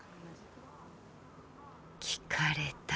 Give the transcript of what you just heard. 聞かれた。